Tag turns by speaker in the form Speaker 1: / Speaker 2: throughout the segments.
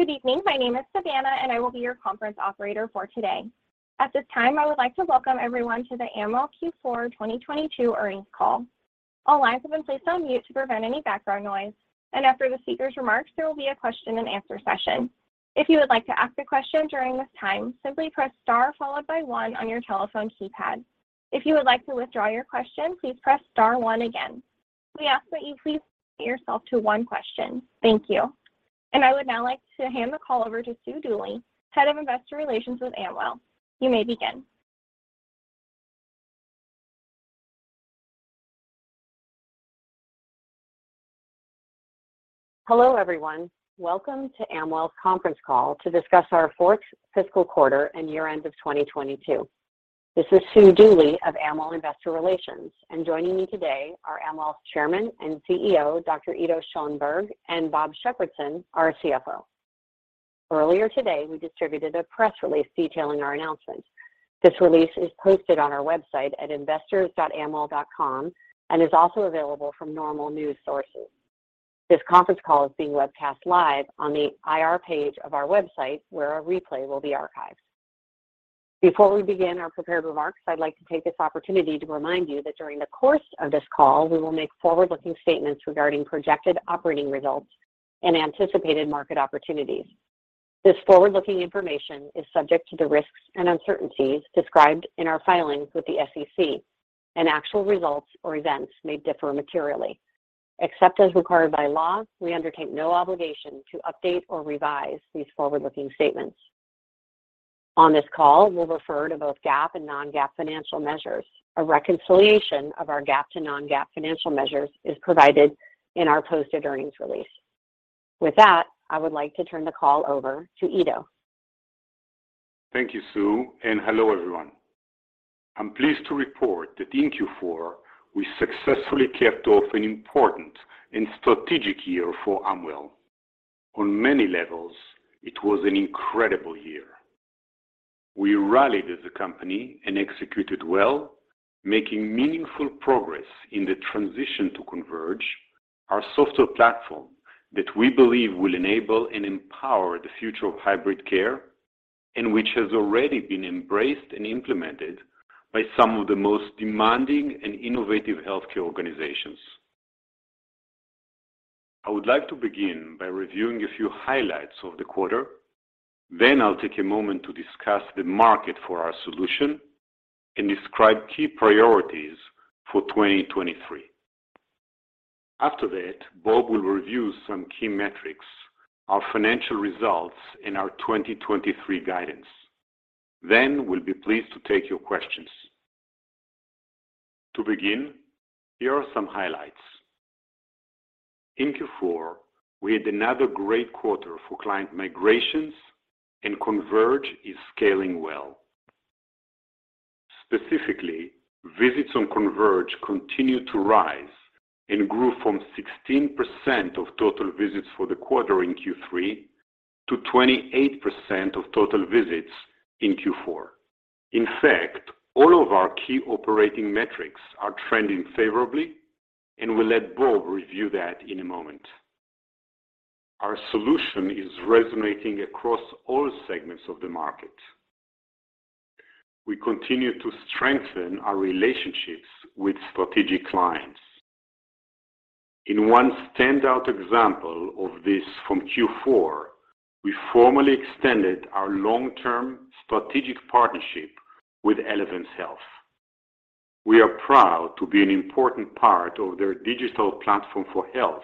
Speaker 1: Good evening. My name is Savannah. I will be your conference operator for today. At this time, I would like to welcome everyone to the Amwell Q4 2022 earnings call. All lines have been placed on mute to prevent any background noise. After the speaker's remarks, there will be a question and answer session. If you would like to ask a question during this time, simply press star one on your telephone keypad. If you would like to withdraw your question, please press star one again. We ask that you please limit yourself to one question. Thank you. I would now like to hand the call over to Sue Dooley, Head of Investor Relations with Amwell. You may begin.
Speaker 2: Hello, everyone. Welcome to Amwell's conference call to discuss our fourth fiscal quarter and year-end of 2022. This is Sue Dooley of Amwell Investor Relations. Joining me today are Amwell's Chairman and CEO, Dr. Ido Schoenberg, and Bob Shepardson, our CFO. Earlier today, we distributed a press release detailing our announcement. This release is posted on our website at investors.amwell.com and is also available from normal news sources. This conference call is being webcast live on the IR page of our website, where a replay will be archived. Before we begin our prepared remarks, I'd like to take this opportunity to remind you that during the course of this call, we will make forward-looking statements regarding projected operating results and anticipated market opportunities. This forward-looking information is subject to the risks and uncertainties described in our filings with the SEC. Actual results or events may differ materially. Except as required by law, we undertake no obligation to update or revise these forward-looking statements. On this call, we'll refer to both GAAP and non-GAAP financial measures. A reconciliation of our GAAP to non-GAAP financial measures is provided in our posted earnings release. With that, I would like to turn the call over to Ido.
Speaker 3: Thank you, Sue. Hello everyone. I'm pleased to report that in Q4, we successfully capped off an important and strategic year for Amwell. On many levels, it was an incredible year. We rallied as a company and executed well, making meaningful progress in the transition to Converge, our software platform that we believe will enable and empower the future of hybrid care, and which has already been embraced and implemented by some of the most demanding and innovative healthcare organizations. I would like to begin by reviewing a few highlights of the quarter. I'll take a moment to discuss the market for our solution and describe key priorities for 2023. After that, Bob will review some key metrics, our financial results in our 2023 guidance. Then, we'll be pleased to take your questions. To begin, here are some highlights. In Q4, we had another great quarter for client migrations, and Converge is scaling well. Specifically, visits on Converge continued to rise and grew from 16% of total visits for the quarter in Q3 to 28% of total visits in Q4. In fact, all of our key operating metrics are trending favorably, and we'll let Bob review that in a moment. Our solution is resonating across all segments of the market. We continue to strengthen our relationships with strategic clients. In one standout example of this from Q4, we formally extended our long-term strategic partnership with Elevance Health. We are proud to be an important part of their digital platform for health,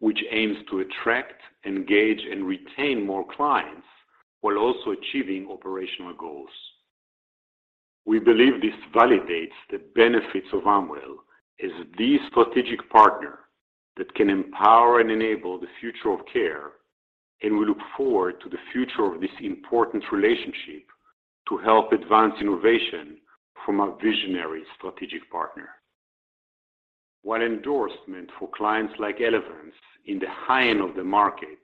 Speaker 3: which aims to attract, engage, and retain more clients while also achieving operational goals. We believe this validates the benefits of Amwell as the strategic partner that can empower and enable the future of care. We look forward to the future of this important relationship to help advance innovation from our visionary strategic partner. While endorsement for clients like Elevance in the high end of the market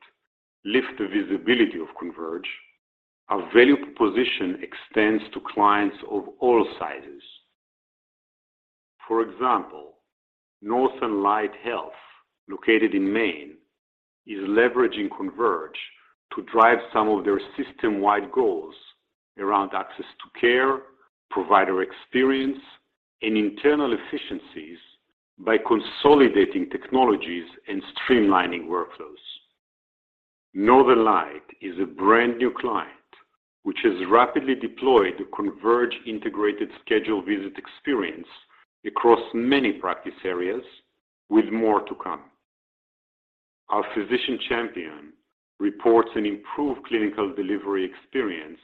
Speaker 3: lift the visibility of Converge, our value proposition extends to clients of all sizes. For example, Northern Light Health, located in Maine, is leveraging Converge to drive some of their system-wide goals around access to care, provider experience, and internal efficiencies by consolidating technologies and streamlining workflows. Northern Light is a brand-new client which has rapidly deployed the Converge integrated scheduled visit experience across many practice areas with more to come. Our Physician Champion reports an improved clinical delivery experience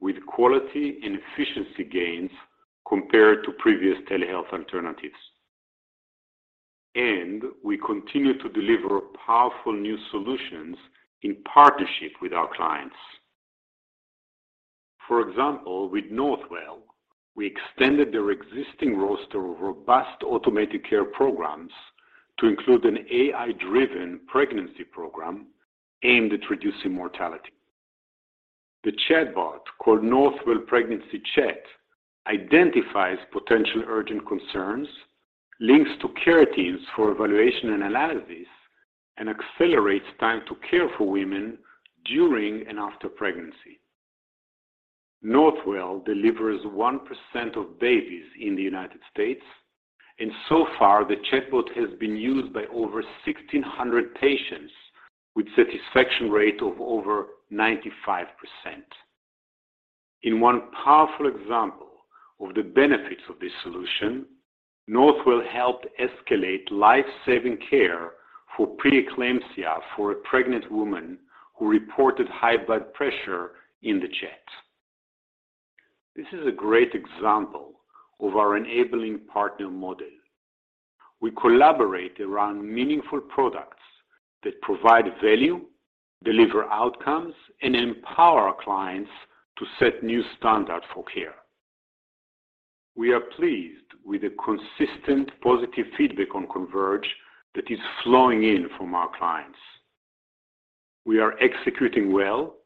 Speaker 3: with quality and efficiency gains compared to previous telehealth alternatives. We continue to deliver powerful new solutions in partnership with our clients. For example, with Northwell, we extended their existing roster of robust automated care programs to include an AI-driven pregnancy program aimed at reducing mortality. The chatbot, called Northwell Pregnancy Chats, identifies potential urgent concerns, links to care teams for evaluation and analysis, and accelerates time to care for women during and after pregnancy. Northwell delivers 1% of babies in the United States, and so far, the chatbot has been used by over 1,600 patients with satisfaction rate of over 95%. In one powerful example of the benefits of this solution, Northwell helped escalate life-saving care for preeclampsia for a pregnant woman who reported high blood pressure in the chat. This is a great example of our enabling partner model. We collaborate around meaningful products that provide value, deliver outcomes, and empower our clients to set new standard for care. We are pleased with the consistent positive feedback on Converge that is flowing in from our clients. We are executing well,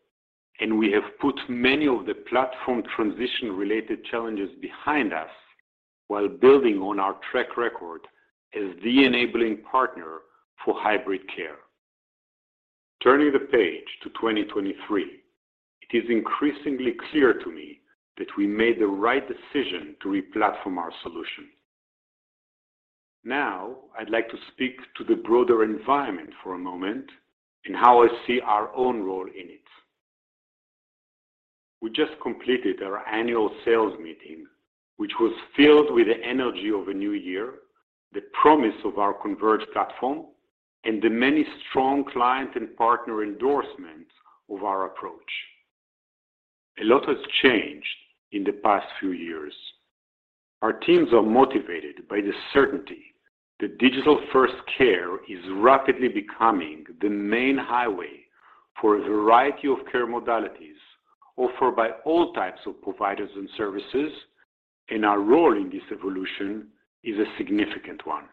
Speaker 3: and we have put many of the platform transition-related challenges behind us while building on our track record as the enabling partner for hybrid care. Turning the page to 2023, it is increasingly clear to me that we made the right decision to re-platform our solution. Now, I'd like to speak to the broader environment for a moment and how I see our own role in it. We just completed our Annual Sales Meeting, which was filled with the energy of a new year, the promise of our Converge platform, and the many strong client and partner endorsements of our approach. A lot has changed in the past few years. Our teams are motivated by the certainty that digital-first care is rapidly becoming the main highway for a variety of care modalities offered by all types of providers and services, and our role in this evolution is a significant one.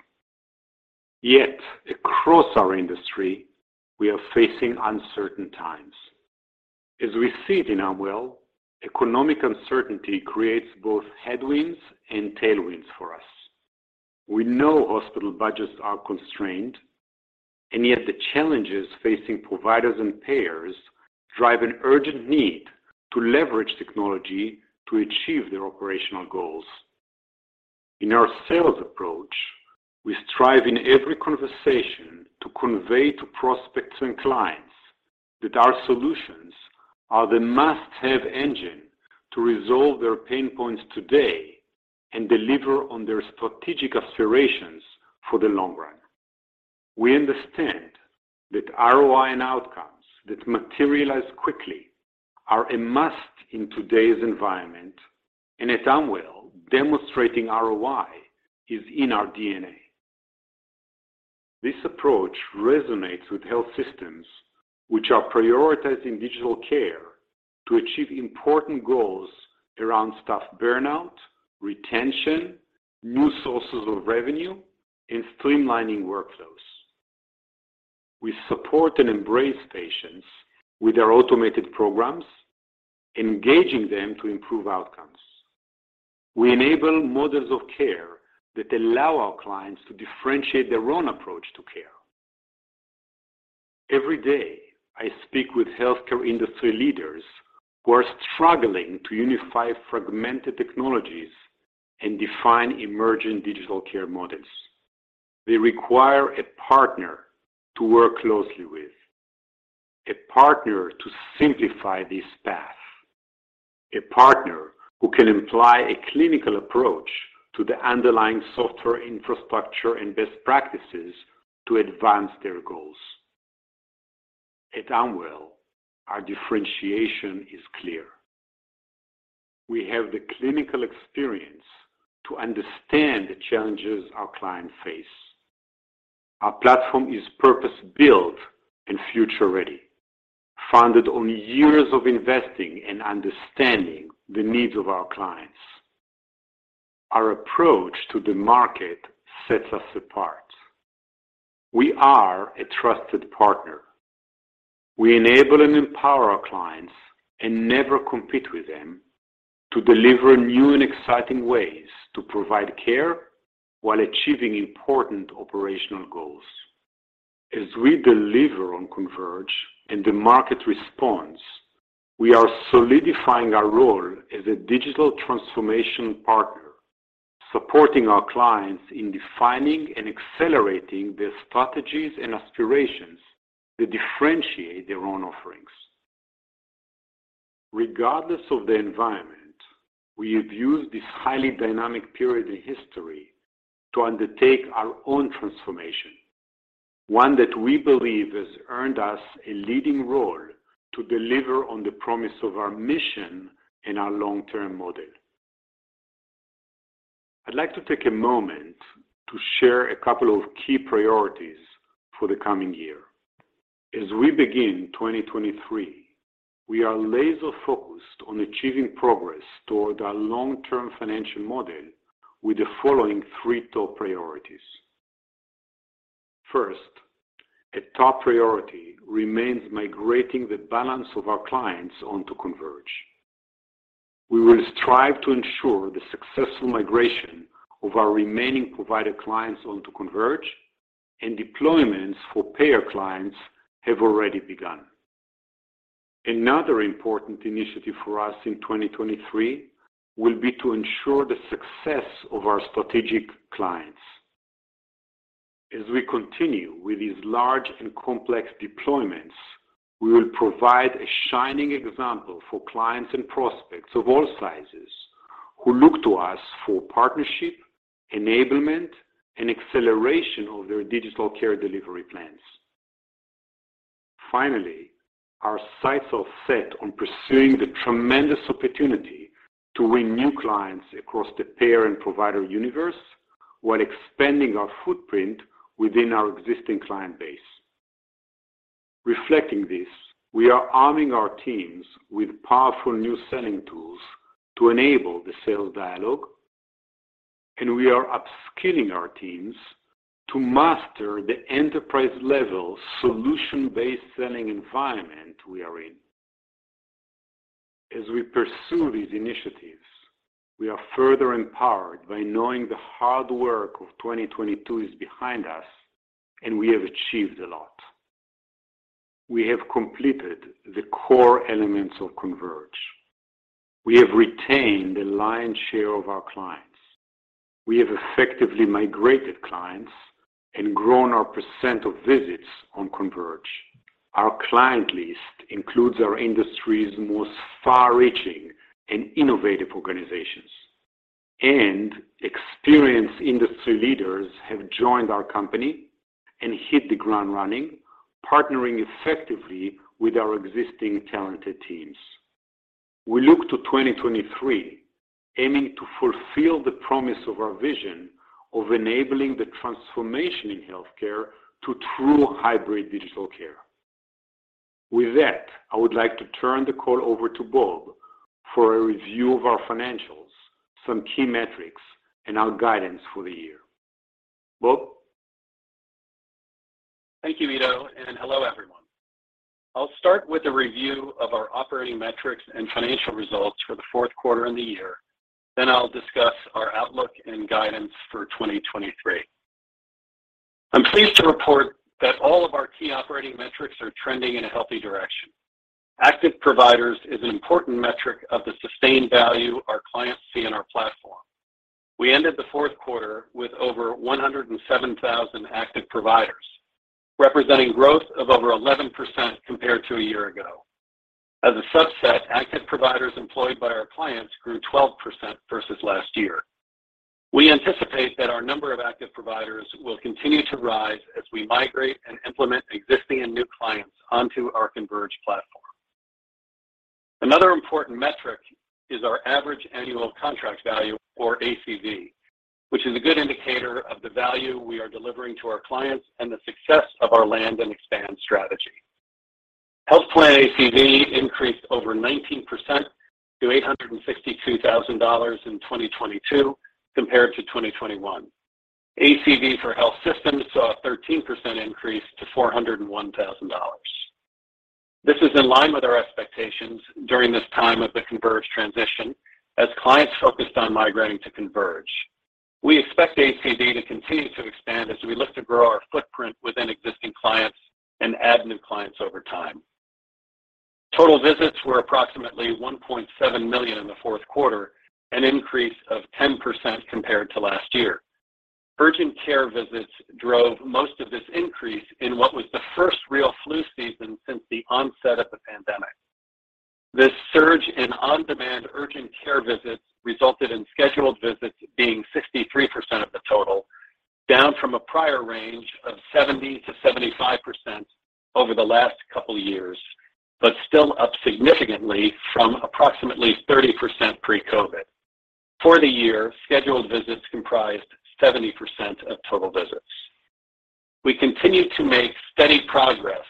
Speaker 3: Across our industry, we are facing uncertain times. As we see it in Amwell, economic uncertainty creates both headwinds and tailwinds for us. We know hospital budgets are constrained, the challenges facing providers and payers drive an urgent need to leverage technology to achieve their operational goals. In our sales approach, we strive in every conversation to convey to prospects and clients that our solutions are the must-have engine to resolve their pain points today and deliver on their strategic aspirations for the long run. We understand that ROI and outcomes that materialize quickly are a must in today's environment. At Amwell, demonstrating ROI is in our DNA. This approach resonates with health systems which are prioritizing digital care to achieve important goals around staff burnout, retention, new sources of revenue, and streamlining workflows. We support and embrace patients with our automated programs, engaging them to improve outcomes. We enable models of care that allow our clients to differentiate their own approach to care. Every day, I speak with healthcare industry leaders who are struggling to unify fragmented technologies and define emerging digital care models. They require a partner to work closely with, a partner to simplify this path, a partner who can apply a clinical approach to the underlying software infrastructure and best practices to advance their goals. At Amwell, our differentiation is clear. We have the clinical experience to understand the challenges our clients face. Our platform is purpose-built and future-ready, founded on years of investing and understanding the needs of our clients. Our approach to the market sets us apart. We are a trusted partner. We enable and empower our clients, and never compete with them to deliver new and exciting ways to provide care while achieving important operational goals. As we deliver on Converge and the market responds, we are solidifying our role as a digital transformation partner, supporting our clients in defining and accelerating their strategies and aspirations that differentiate their own offerings. Regardless of the environment, we have used this highly dynamic period in history to undertake our own transformation, one that we believe has earned us a leading role to deliver on the promise of our mission and our long-term model. I'd like to take a moment to share a couple of key priorities for the coming year. As we begin 2023, we are laser-focused on achieving progress toward our long-term financial model with the following three top priorities. First, a top priority remains migrating the balance of our clients onto Converge. We will strive to ensure the successful migration of our remaining provider clients onto Converge and deployments for payer clients have already begun. Another important initiative for us in 2023 will be to ensure the success of our strategic clients. As we continue with these large and complex deployments, we will provide a shining example for clients and prospects of all sizes who look to us for partnership, enablement, and acceleration of their digital care delivery plans. Finally, our sights are set on pursuing the tremendous opportunity to win new clients across the payer and provider universe while expanding our footprint within our existing client base. Reflecting this, we are arming our teams with powerful new selling tools to enable the sales dialogue, and we are upskilling our teams to master the enterprise-level solution-based selling environment we are in. As we pursue these initiatives, we are further empowered by knowing the hard work of 2022 is behind us, and we have achieved a lot. We have completed the core elements of Converge. We have retained the lion's share of our clients. We have effectively migrated clients and grown our percent of visits on Converge. Our client list includes our industry's most far-reaching and innovative organizations, and experienced industry leaders have joined our company and hit the ground running, partnering effectively with our existing talented teams. We look to 2023 aiming to fulfill the promise of our vision of enabling the transformation in healthcare to true hybrid digital care. With that, I would like to turn the call over to Bob for a review of our financials, some key metrics, and our guidance for the year. Bob?
Speaker 4: Thank you, Ido. Hello, everyone. I'll start with a review of our operating metrics and financial results for the fourth quarter and the year. Then I'll discuss our outlook and guidance for 2023. I'm pleased to report that all of our key operating metrics are trending in a healthy direction. Active providers is an important metric of the sustained value our clients see in our platform. We ended the fourth quarter with over 107,000 active providers, representing growth of over 11% compared to a year ago. As a subset, active providers employed by our clients grew 12% versus last year. We anticipate that our number of active providers will continue to rise as we migrate and implement existing and new clients onto our Converge platform. Another important metric is our average annual contract value or ACV, which is a good indicator of the value we are delivering to our clients and the success of our land and expand strategy. Health plan ACV increased over 19% to $862,000 in 2022 compared to 2021. ACV for health systems saw a 13% increase to $401,000. This is in line with our expectations during this time of the Converge transition as clients focused on migrating to Converge. We expect ACV to continue to expand as we look to grow our footprint within existing clients and add new clients over time. Total visits were approximately 1.7 million in the fourth quarter, an increase of 10% compared to last year. Urgent care visits drove most of this increase in what was the first real flu season since the onset of the pandemic. This surge in on-demand urgent care visits resulted in scheduled visits being 63% of the total, down from a prior range of 70%-75% over the last couple of years, but still up significantly from approximately 30% pre-COVID. For the year, scheduled visits comprised 70% of total visits. We continue to make steady progress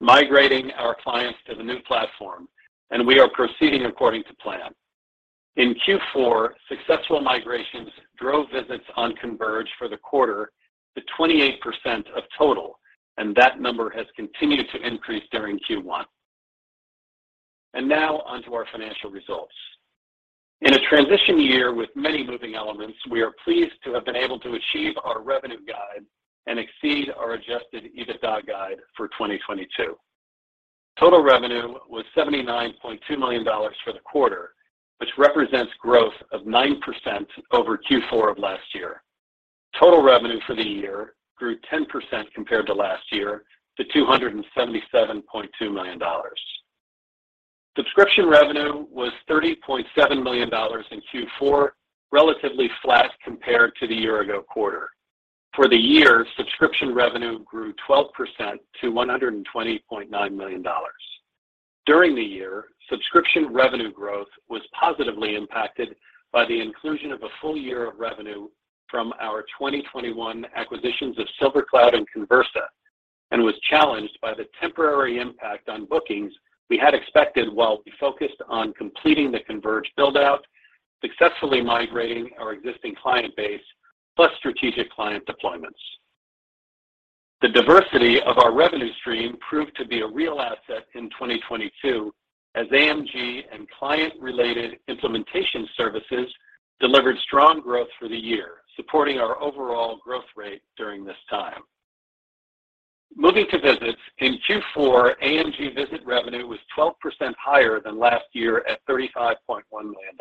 Speaker 4: migrating our clients to the new platform, and we are proceeding according to plan. In Q4, successful migrations drove visits on Converge for the quarter to 28% of total, and that number has continued to increase during Q1. Now on to our financial results. In a transition year with many moving elements, we are pleased to have been able to achieve our revenue guide and exceed our adjusted EBITDA guide for 2022. Total revenue was $79.2 million for the quarter, which represents growth of 9% over Q4 of last year. Total revenue for the year grew 10% compared to last year to $277.2 million. Subscription revenue was $30.7 million in Q4, relatively flat compared to the year-ago quarter. For the year, subscription revenue grew 12% to $120.9 million. During the year, subscription revenue growth was positively impacted by the inclusion of a full year of revenue from our 2021 acquisitions of SilverCloud and Conversa. Challenged by the temporary impact on bookings we had expected while we focused on completing the Converge build-out, successfully migrating our existing client base, plus strategic client deployments. The diversity of our revenue stream proved to be a real asset in 2022 as AMG and client-related implementation services delivered strong growth for the year, supporting our overall growth rate during this time. Moving to visits. In Q4, AMG visit revenue was 12% higher than last year at $35.1 million.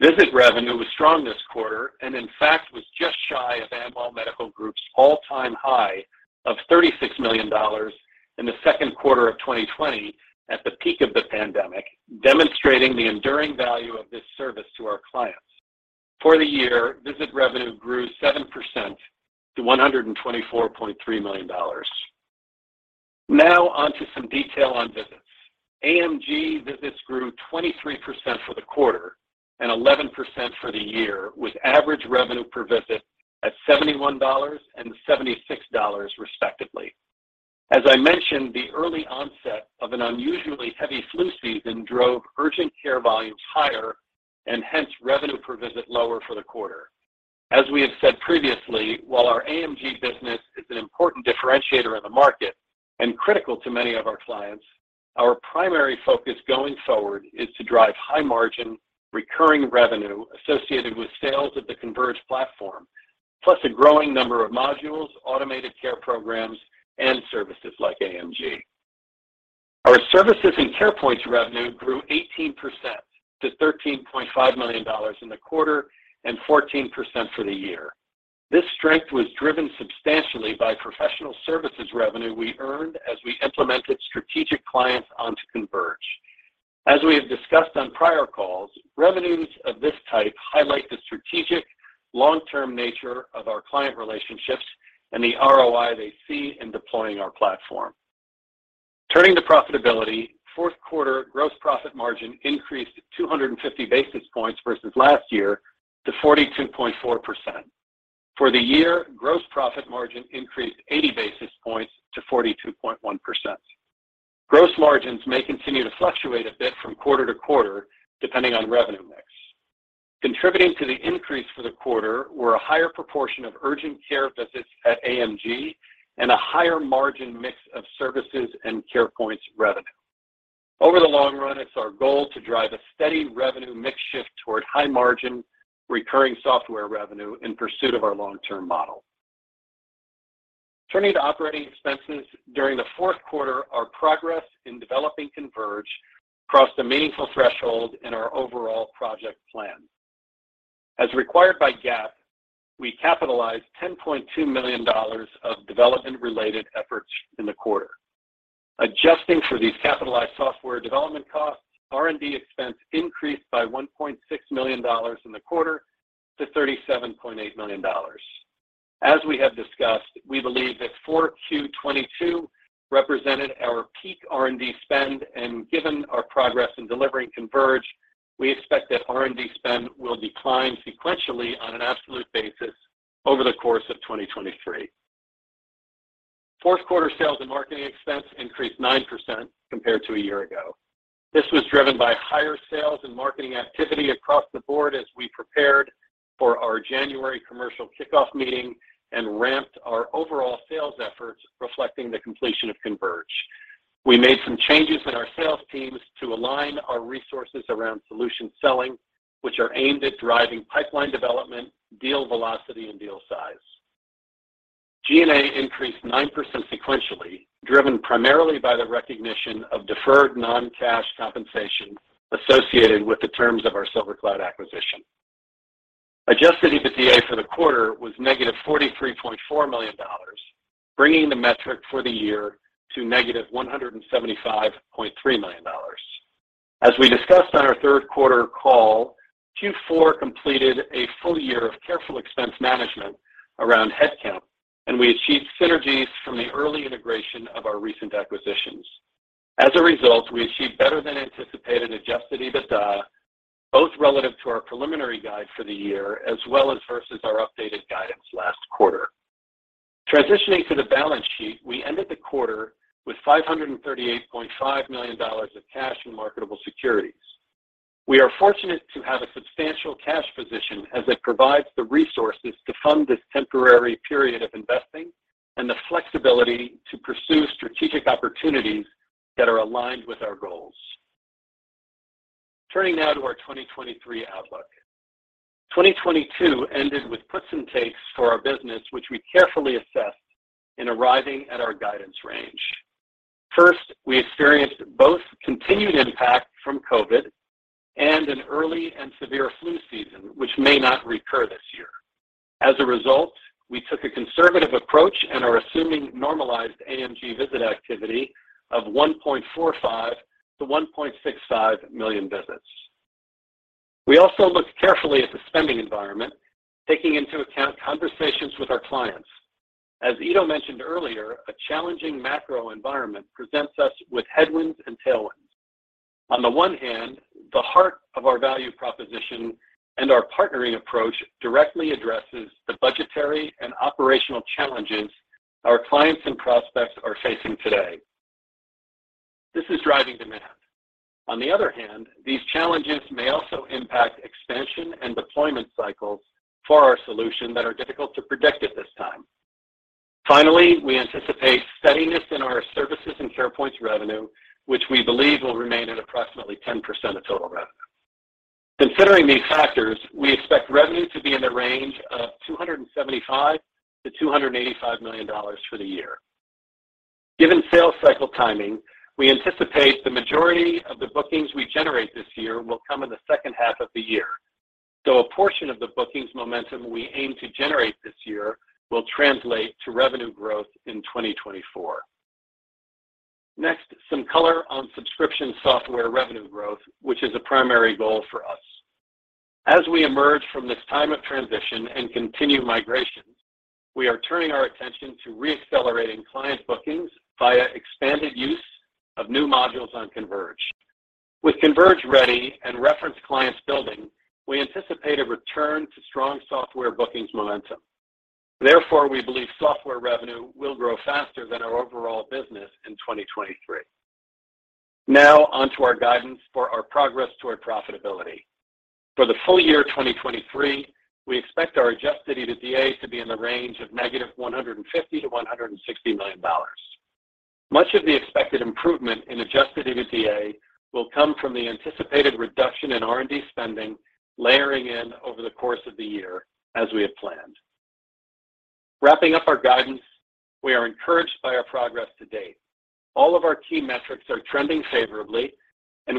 Speaker 4: Visit revenue was strong this quarter. In fact, was just shy of Amwell Medical Group's all-time high of $36 million in the second quarter of 2020 at the peak of the pandemic, demonstrating the enduring value of this service to our clients. For the year, visit revenue grew 7% to $124.3 million. On to some detail on visits. AMG visits grew 23% for the quarter and 11% for the year, with average revenue per visit at $71 and $76, respectively. As I mentioned, the early onset of an unusually heavy flu season drove urgent care volumes higher and hence revenue per visit lower for the quarter. As we have said previously, while our AMG business is an important differentiator in the market and critical to many of our clients, our primary focus going forward is to drive high margin, recurring revenue associated with sales of the Converge platform, plus a growing number of modules, automated care programs, and services like AMG. Our services and Carepoint revenue grew 18% to $13.5 million in the quarter and 14% for the year. This strength was driven substantially by professional services revenue we earned as we implemented strategic clients onto Converge. As we have discussed on prior calls, revenues of this type highlight the strategic long-term nature of our client relationships and the ROI they see in deploying our platform. Turning to profitability, fourth quarter gross profit margin increased 250 basis points versus last year to 42.4%. For the year, gross profit margin increased 80 basis points to 42.1%. Gross margins may continue to fluctuate a bit from quarter to quarter, depending on revenue mix. Contributing to the increase for the quarter were a higher proportion of urgent care visits at AMG and a higher margin mix of services and Carepoint revenue. Over the long run, it's our goal to drive a steady revenue mix shift toward high margin, recurring software revenue in pursuit of our long-term model. Turning to operating expenses. During the fourth quarter, our progress in developing Converge crossed a meaningful threshold in our overall project plan. As required by GAAP, we capitalized $10.2 million of development-related efforts in the quarter. Adjusting for these capitalized software development costs, R&D expense increased by $1.6 million in the quarter to $37.8 million. As we have discussed, we believe that 4Q 2022 represented our peak R&D spend. Given our progress in delivering Converge, we expect that R&D spend will decline sequentially on an absolute basis over the course of 2023. Fourth quarter sales and marketing expense increased 9% compared to a year ago. This was driven by higher sales and marketing activity across the board as we prepared for our January commercial kickoff meeting and ramped our overall sales efforts reflecting the completion of Converge. We made some changes in our sales teams to align our resources around solution selling, which are aimed at driving pipeline development, deal velocity, and deal size. G&A increased 9% sequentially, driven primarily by the recognition of deferred non-cash compensation associated with the terms of our SilverCloud acquisition. Adjusted EBITDA for the quarter was -$43.4 million, bringing the metric for the year to -$175.3 million. As we discussed on our third quarter call, Q4 completed a full year of careful expense management around headcount, and we achieved synergies from the early integration of our recent acquisitions. As a result, we achieved better than anticipated adjusted EBITDA, both relative to our preliminary guide for the year as well as versus our updated guidance last quarter. Transitioning to the balance sheet, we ended the quarter with $538.5 million of cash and marketable securities. We are fortunate to have a substantial cash position as it provides the resources to fund this temporary period of investing and the flexibility to pursue strategic opportunities that are aligned with our goals. Turning now to our 2023 outlook. 2022 ended with puts and takes for our business, which we carefully assessed in arriving at our guidance range. First, we experienced both continued impact from COVID and an early and severe flu season, which may not recur this year. As a result, we took a conservative approach and are assuming normalized AMG visit activity of 1.45 million-1.65 million visits. We also looked carefully at the spending environment, taking into account conversations with our clients. As Ido mentioned earlier, a challenging macro environment presents us with headwinds and tailwinds. On the one hand, the heart of our value proposition and our partnering approach directly addresses the budgetary and operational challenges our clients and prospects are facing today. This is driving demand. On the other hand, these challenges may also impact expansion and deployment cycles for our solution that are difficult to predict at this time. Finally, we anticipate steadiness in our services and Carepoint's revenue, which we believe will remain at approximately 10% of total revenue. Considering these factors, we expect revenue to be in the range of $275 million-$285 million for the year. Given sales cycle timing, we anticipate the majority of the bookings we generate this year will come in the second half of the year. A portion of the bookings momentum we aim to generate this year will translate to revenue growth in 2024. Next, some color on subscription software revenue growth, which is a primary goal for us. We emerge from this time of transition and continue migration, we are turning our attention to re-accelerating client bookings via expanded use of new modules on Converge. With Converge ready and reference clients building, we anticipate a return to strong software bookings momentum. We believe software revenue will grow faster than our overall business in 2023. On to our guidance for our progress toward profitability. For the full year 2023, we expect our adjusted EBITDA to be in the range of -$150 million to $160 million. Much of the expected improvement in adjusted EBITDA will come from the anticipated reduction in R&D spending layering in over the course of the year as we have planned. Wrapping up our guidance, we are encouraged by our progress to date. All of our key metrics are trending favorably.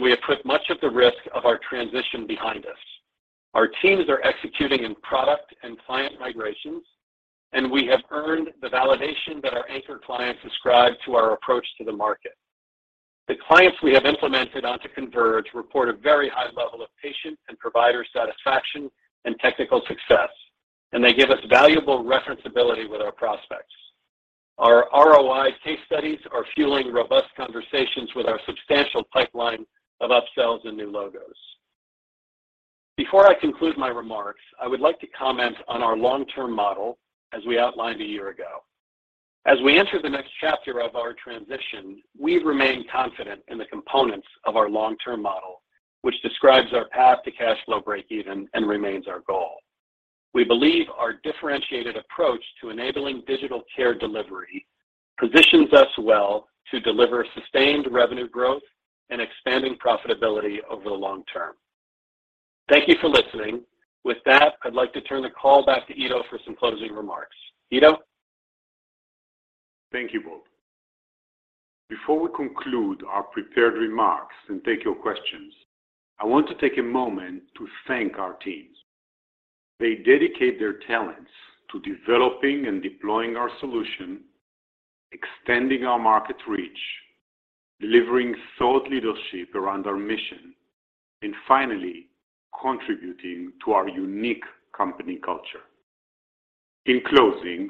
Speaker 4: We have put much of the risk of our transition behind us. Our teams are executing in product and client migrations. We have earned the validation that our anchor clients ascribe to our approach to the market. The clients we have implemented onto Converge report a very high level of patient and provider satisfaction and technical success. They give us valuable referenceability with our prospects. Our ROI case studies are fueling robust conversations with our substantial pipeline of upsells and new logos. Before I conclude my remarks, I would like to comment on our long-term model as we outlined a year ago. As we enter the next chapter of our transition, we remain confident in the components of our long-term model, which describes our path to cash flow breakeven and remains our goal. We believe our differentiated approach to enabling digital care delivery positions us well to deliver sustained revenue growth and expanding profitability over the long term. Thank you for listening. With that, I'd like to turn the call back to Ido for some closing remarks. Ido?
Speaker 3: Thank you, Bob. Before we conclude our prepared remarks and take your questions, I want to take a moment to thank our teams. They dedicate their talents to developing and deploying our solution, extending our market reach, delivering thought leadership around our mission, and finally, contributing to our unique company culture. In closing,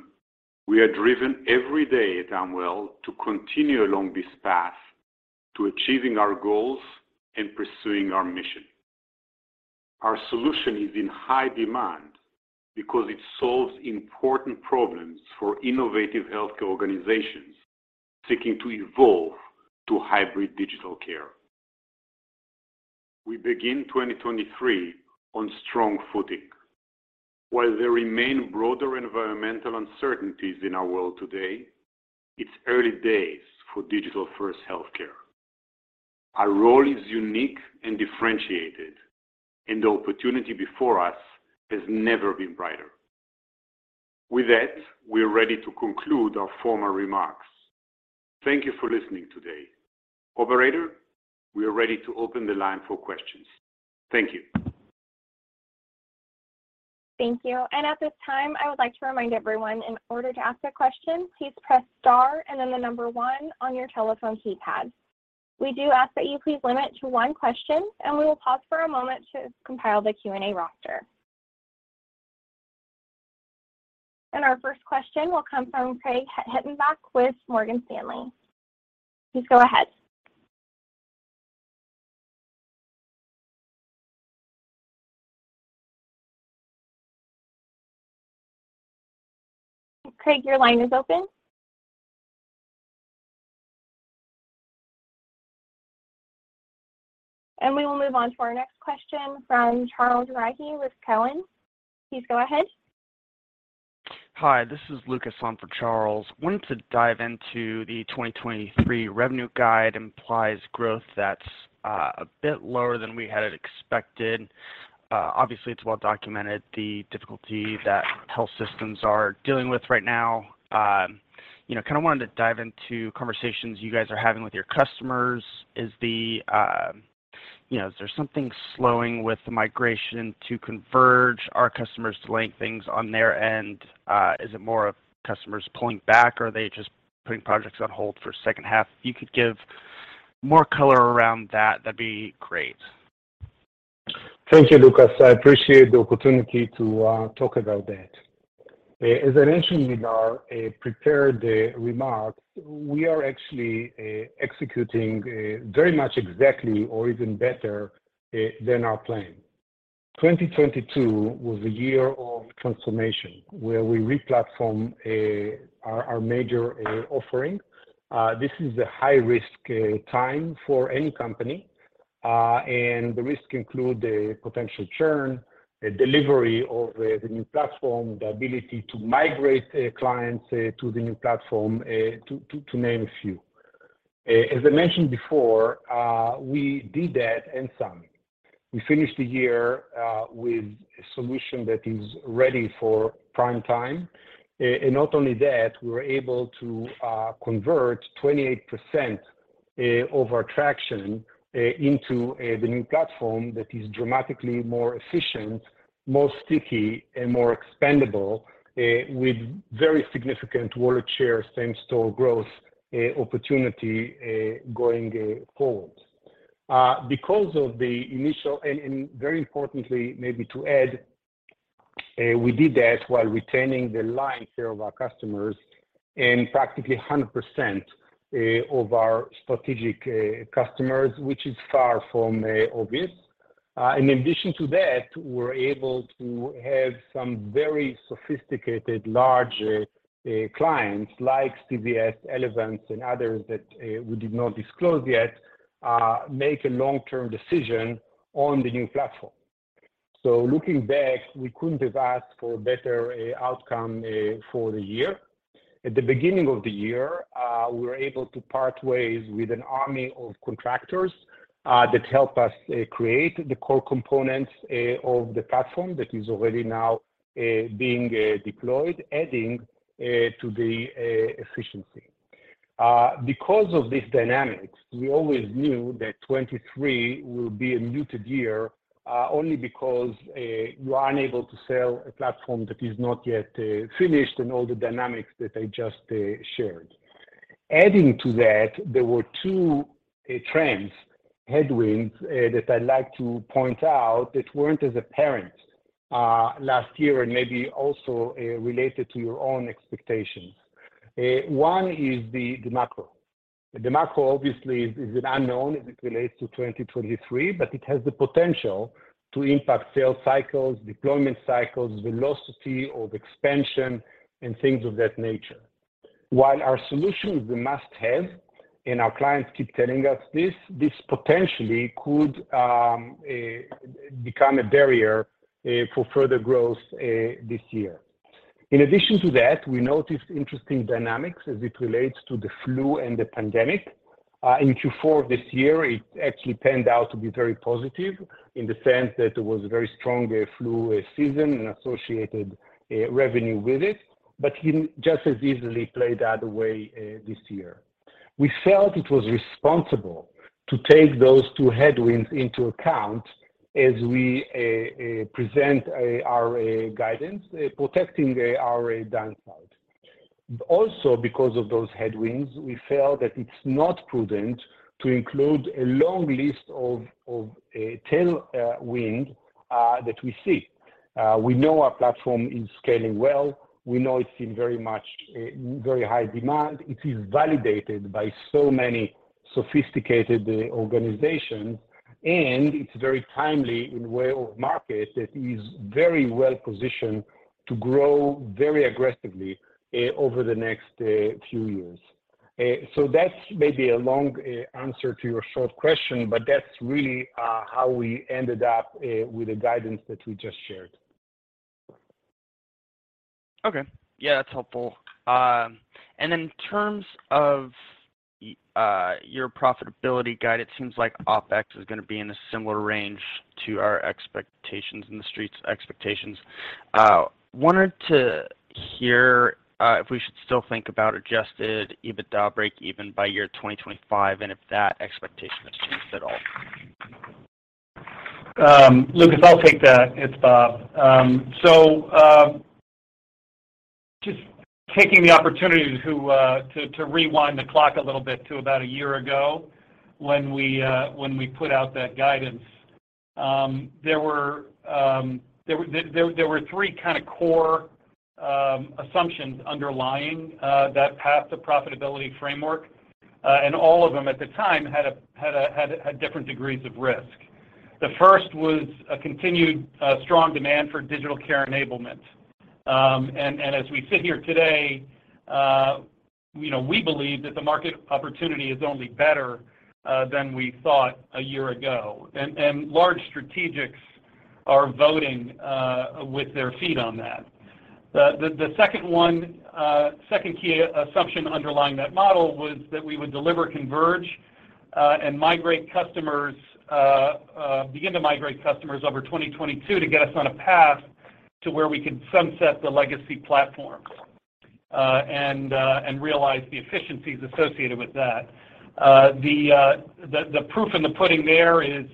Speaker 3: we are driven every day at Amwell to continue along this path to achieving our goals and pursuing our mission. Our solution is in high demand because it solves important problems for innovative healthcare organizations seeking to evolve to hybrid digital care. We begin 2023 on strong footing. While there remain broader environmental uncertainties in our world today, it's early days for digital-first healthcare. Our role is unique and differentiated, and the opportunity before us has never been brighter. With that, we're ready to conclude our formal remarks. Thank you for listening today. Operator, we are ready to open the line for questions. Thank you.
Speaker 1: Thank you. At this time, I would like to remind everyone in order to ask a question, please press star and then the number one on your telephone keypad. We do ask that you please limit to one question, and we will pause for a moment to compile the Q&A roster. Our first question will come from Craig Hettenbach with Morgan Stanley. Please go ahead. Craig, your line is open. We will move on to our next question from Charles Rhyee with Cowen. Please go ahead.
Speaker 5: Hi, this is Lucas on for Charles. Wanted to dive into the 2023 revenue guide implies growth that's a bit lower than we had expected. Obviously, it's well documented the difficulty that health systems are dealing with right now. You know, kind of wanted to dive into conversations you guys are having with your customers. Is the, you know, is there something slowing with the migration to Converge? Are customers delaying things on their end? Is it more of customers pulling back, or are they just putting projects on hold for second half? If you could give more color around that, that'd be great.
Speaker 3: Thank you, Lucas. I appreciate the opportunity to talk about that. As I mentioned in our prepared remarks, we are actually executing very much exactly or even better than our plan. 2022 was a year of transformation where we re-platform our major offering. This is a high-risk time for any company, and the risks include potential churn, the delivery of the new platform, the ability to migrate clients to the new platform, to name a few. As I mentioned before, we did that and some. We finished the year with a solution that is ready for prime time, and not only that, we were able to convert 28% of our traction into the new platform that is dramatically more efficient, more sticky, and more expandable, with very significant wallet share, same-store growth opportunity going forward. Very importantly, maybe to add, we did that while retaining the line share of our customers and practically 100% of our strategic customers, which is far from obvious. In addition to that, we're able to have some very sophisticated large clients like CVS, Elevance, and others that we did not disclose yet, make a long-term decision on the new platform. Looking back, we couldn't have asked for a better outcome for the year. At the beginning of the year, we were able to part ways with an army of contractors that helped us create the core components of the platform that is already now being deployed, adding to the efficiency. Because of these dynamics, we always knew that 2023 will be a muted year, only because you are unable to sell a platform that is not yet finished and all the dynamics that I just shared. Adding to that, there were two trends, headwinds, that I'd like to point out that weren't as apparent last year and maybe also related to your own expectations. One is the macro. The macro obviously is an unknown as it relates to 2023, but it has the potential to impact sales cycles, deployment cycles, velocity of expansion, and things of that nature. While our solution is a must-have, and our clients keep telling us this potentially could become a barrier for further growth this year. In addition to that, we noticed interesting dynamics as it relates to the flu and the pandemic. In Q4 this year, it actually panned out to be very positive in the sense that it was a very strong flu season and associated revenue with it, but can just as easily play the other way this year. We felt it was responsible to take those two headwinds into account as we present our guidance, protecting our downside. Also, because of those headwinds, we felt that it's not prudent to include a long list of tailwind that we see. We know our platform is scaling well. We know it's in very much very high demand. It is validated by so many sophisticated organizations, and it's very timely in way of market that is very well positioned to grow very aggressively over the next few years. That's maybe a long answer to your short question, but that's really how we ended up with the guidance that we just shared.
Speaker 5: Okay. Yeah, that's helpful. In terms of your profitability guide, it seems like OpEx is going to be in a similar range to our expectations and the street's expectations. Wanted to hear if we should still think about adjusted EBITDA breakeven by year 2025, and if that expectation has changed at all?
Speaker 4: Lucas, I'll take that. It's Bob. Just taking the opportunity to rewind the clock a little bit to about a year ago when we put out that guidance. There were three kind of core assumptions underlying that path to profitability framework, and all of them at the time had different degrees of risk. The first was a continued strong demand for digital care enablement. As we sit here today, you know, we believe that the market opportunity is only better than we thought a year ago. Large strategics are voting with their feet on that. The second one, second key assumption underlying that model was that we would deliver Converge and migrate customers, begin to migrate customers over 2022 to get us on a path to where we could sunset the legacy platform and realize the efficiencies associated with that. The proof in the pudding there is,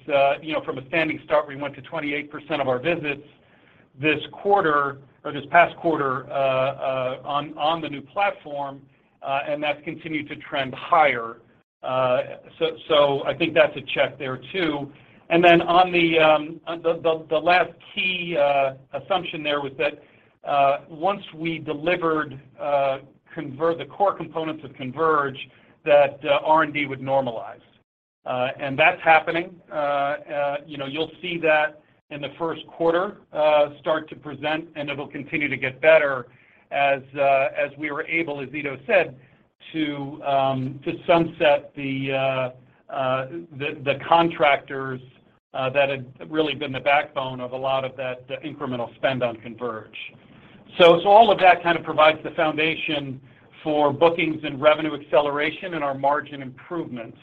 Speaker 4: you know, from a standing start, we went to 28% of our visits this quarter or this past quarter on the new platform, and that's continued to trend higher. I think that's a check there too. Then on the last key assumption there was that once we delivered Converge, the core components of Converge, that R&D would normalize. That's happening. You know, you'll see that in the first quarter, start to present, and it'll continue to get better as we were able, as Ido said, to sunset the contractors that had really been the backbone of a lot of that incremental spend on Converge. All of that kind of provides the foundation for bookings and revenue acceleration and our margin improvements.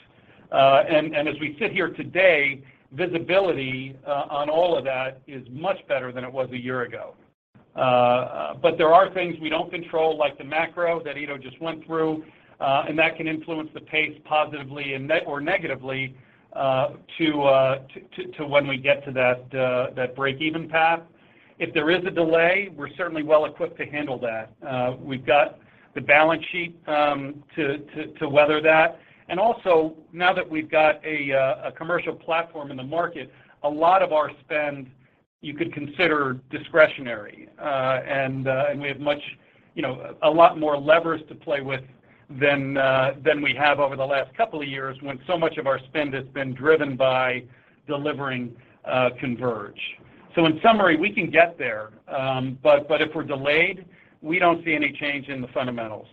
Speaker 4: As we sit here today, visibility on all of that is much better than it was a year ago. But there are things we don't control, like the macro that Ido just went through, and that can influence the pace positively or negatively to when we get to that break-even path. If there is a delay, we're certainly well equipped to handle that. We've got the balance sheet to weather that. Now that we've got a commercial platform in the market, a lot of our spend you could consider discretionary. We have much, you know, a lot more levers to play with than we have over the last couple of years when so much of our spend has been driven by delivering Converge. In summary, we can get there, but if we're delayed, we don't see any change in the fundamentals.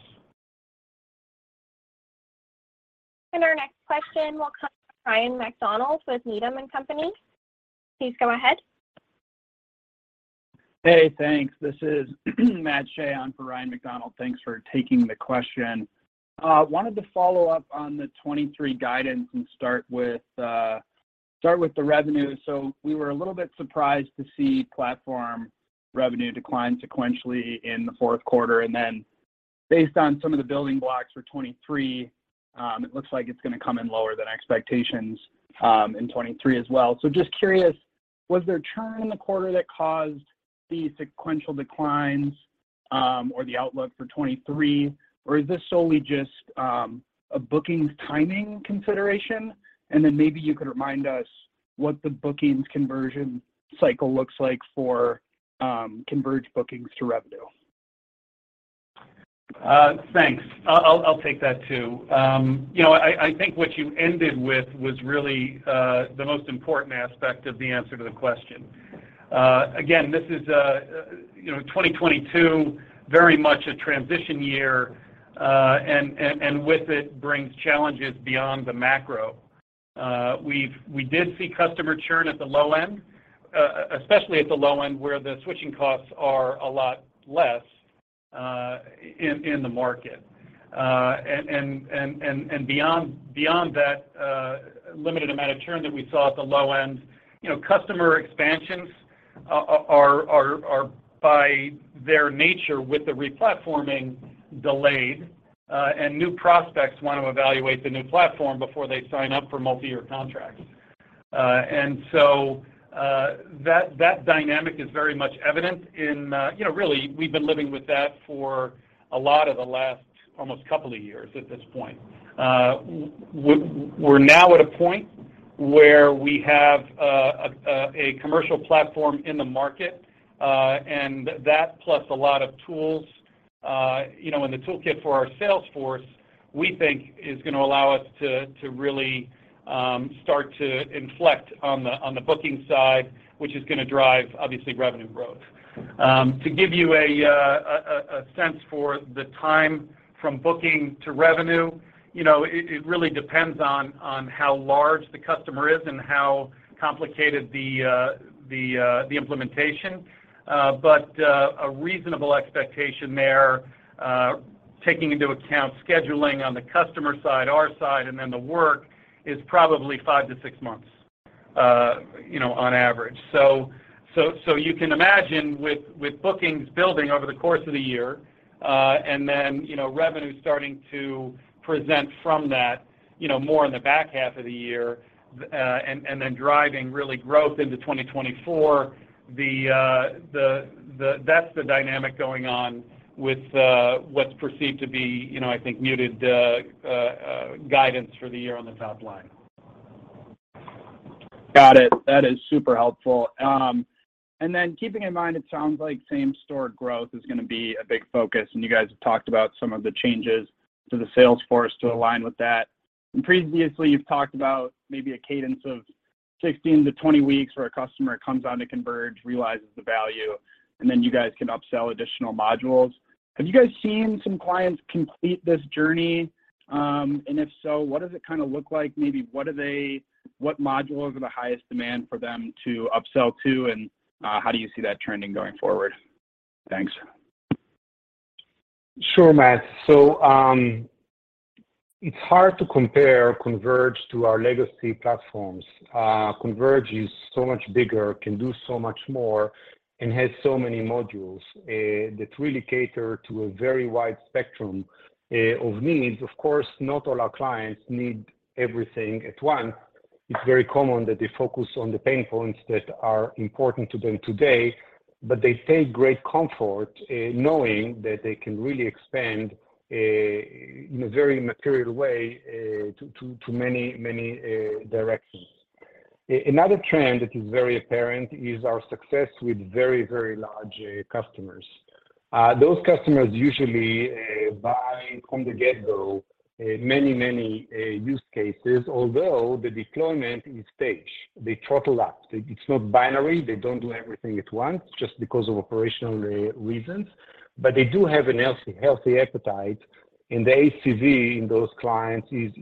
Speaker 1: Our next question will come from Ryan MacDonald with Needham & Company. Please go ahead.
Speaker 6: Hey, thanks. This is Matt Shea on for Ryan MacDonald. Thanks for taking the question. Wanted to follow up on the 2023 guidance and start with the revenue. We were a little bit surprised to see platform revenue decline sequentially in the fourth quarter. Based on some of the building blocks for 2023, it looks like it's gonna come in lower than expectations in 2023 as well. Just curious, was there churn in the quarter that caused the sequential declines or the outlook for 2023, or is this solely just a bookings timing consideration? Maybe you could remind us what the bookings conversion cycle looks like for Converge bookings to revenue.
Speaker 4: Thanks. I'll take that too. You know, I think what you ended with was really the most important aspect of the answer to the question. Again, this is, you know, 2022 very much a transition year, and with it brings challenges beyond the macro. We did see customer churn at the low end, especially at the low end, where the switching costs are a lot less, in the market. And beyond that, limited amount of churn that we saw at the low end, you know, customer expansions are by their nature with the replatforming delayed, and new prospects want to evaluate the new platform before they sign up for multi-year contracts. That dynamic is very much evident in, you know, really, we've been living with that for a lot of the last almost couple of years at this point. We're now at a point where we have a commercial platform in the market, and that plus a lot of tools, you know, in the toolkit for our sales force, we think is gonna allow us to really start to inflect on the booking side, which is gonna drive, obviously, revenue growth. To give you a sense for the time from booking to revenue, you know, it really depends on how large the customer is and how complicated the implementation. A reasonable expectation there, taking into account scheduling on the customer side, our side, and then the work is probably five to six months, you know, on average. You can imagine with bookings building over the course of the year, and then, you know, revenue starting to present from that, you know, more in the back half of the year, and then driving really growth into 2024, the that's the dynamic going on with, what's perceived to be, you know, I think muted, guidance for the year on the top line.
Speaker 6: Got it. That is super helpful. Keeping in mind, it sounds like same-store growth is gonna be a big focus, and you guys have talked about some of the changes to the sales force to align with that. Previously, you've talked about maybe a cadence of 16-20 weeks where a customer comes onto Converge, realizes the value, and then you guys can upsell additional modules. Have you guys seen some clients complete this journey? And if so, what does it kinda look like? Maybe what modules are the highest demand for them to upsell to, and how do you see that trending going forward? Thanks.
Speaker 3: Sure, Matt. It's hard to compare Converge to our legacy platforms. Converge is so much bigger, can do so much more, and has so many modules that really cater to a very wide spectrum of needs. Of course, not all our clients need everything at once. It's very common that they focus on the pain points that are important to them today, but they take great comfort in knowing that they can really expand in a very material way to many directions. Another trend that is very apparent is our success with very large customers. Those customers usually buy from the get-go many use cases, although the deployment is staged. They throttle up. It's not binary. They don't do everything at once just because of operational reasons, but they do have an healthy appetite, and the ACV in those clients is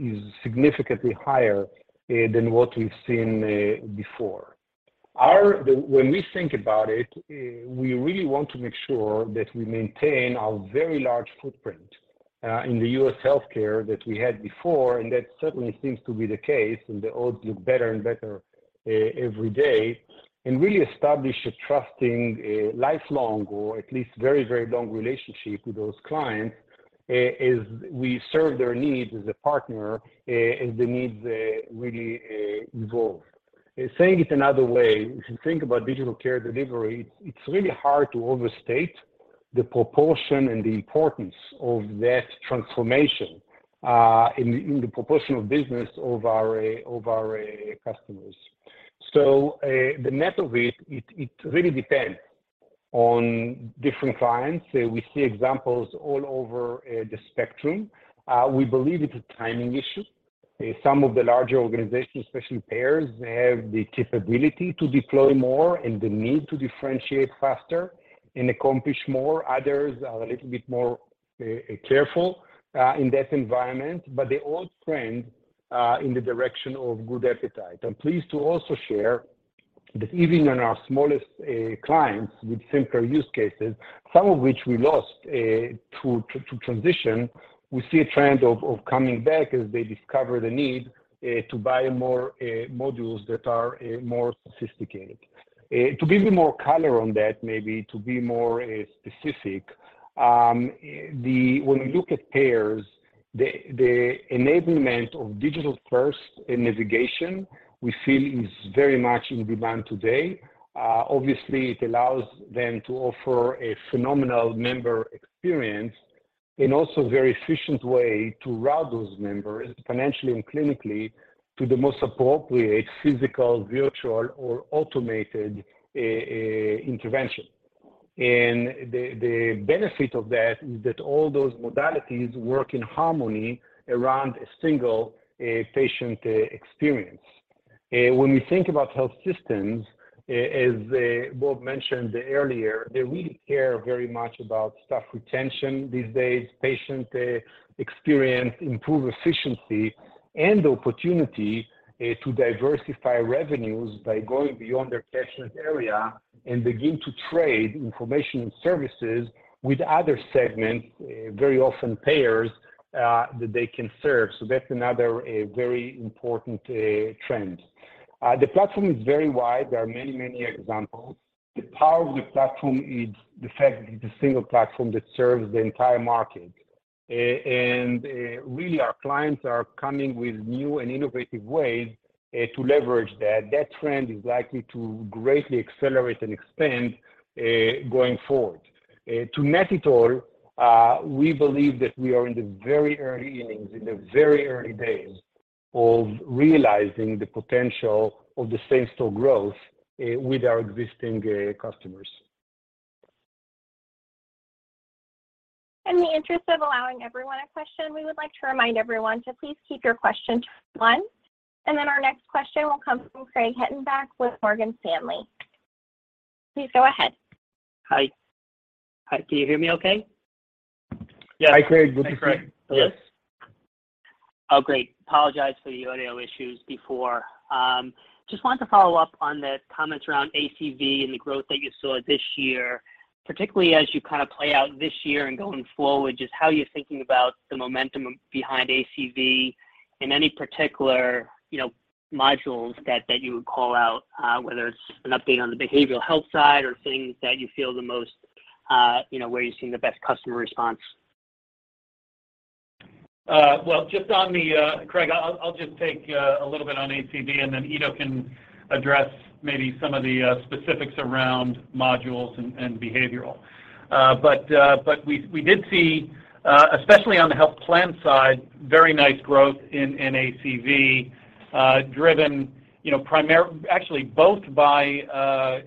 Speaker 3: significantly higher than what we've seen before. When we think about it, we really want to make sure that we maintain our very large footprint in the U.S. healthcare that we had before, and that certainly seems to be the case, and the odds look better and better every day and really establish a trusting, a lifelong or at least very, very long relationship with those clients as we serve their needs as a partner, as the needs really evolve. Saying it another way, if you think about digital care delivery, it's really hard to overstate the proportion and the importance of that transformation, in the proportion of business of our customers. The net of it really depends on different clients. We see examples all over the spectrum. We believe it's a timing issue. Some of the larger organizations, especially payers, they have the capability to deploy more and the need to differentiate faster and accomplish more. Others are a little bit more careful in that environment, but they all trend in the direction of good appetite. I'm pleased to also share that even on our smallest clients with simpler use cases, some of which we lost through transition, we see a trend of coming back as they discover the need to buy more modules that are more sophisticated. To give you more color on that maybe to be more specific, when we look at payers, the enablement of digital first in navigation we feel is very much in demand today. Obviously it allows them to offer a phenomenal member experience in also very efficient way to route those members financially and clinically to the most appropriate physical, virtual or automated intervention. The benefit of that is that all those modalities work in harmony around a single patient experience. When we think about health systems, as Bob mentioned earlier, they really care very much about staff retention these days, patient experience, improved efficiency and opportunity to diversify revenues by going beyond their patient area and begin to trade information and services with other segments, very often payers that they can serve. That's another very important trend. The platform is very wide. There are many, many examples. The power of the platform is the fact that it's a single platform that serves the entire market. Really our clients are coming with new and innovative ways to leverage that. That trend is likely to greatly accelerate and expand going forward. To net it all, we believe that we are in the very early innings, in the very early days of realizing the potential of the same-store growth, with our existing customers.
Speaker 1: In the interest of allowing everyone a question, we would like to remind everyone to please keep your question to one. Our next question will come from Craig Hettenbach with Morgan Stanley. Please go ahead.
Speaker 7: Hi. Hi, can you hear me okay?
Speaker 3: Yes.
Speaker 4: Hi, Craig. Yes.
Speaker 7: Oh, great. Apologize for the audio issues before. Just wanted to follow up on the comments around ACV and the growth that you saw this year. Particularly as you kind of play out this year and going forward, just how you're thinking about the momentum behind ACV and any particular, you know, modules that you would call out, whether it's an update on the behavioral health side or things that you feel the most, you know, where you're seeing the best customer response?
Speaker 4: Well, just on the Craig, I'll just take a little bit on ACV and then Ido can address maybe some of the specifics around modules and behavioral. We did see, especially on the health plan side, very nice growth in ACV, driven, you know, actually both by